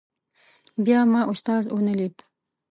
بیا ما استاد ونه لید.